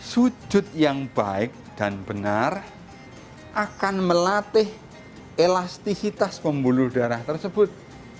sujud yang baik dan benar akan melatih elastisitas pembuluh darah tersebut